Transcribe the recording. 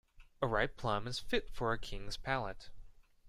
A ripe plum is fit for a king's palate.